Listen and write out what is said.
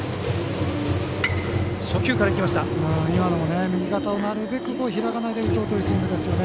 今のも右肩をなるべく開かないで打とうというスイングですね。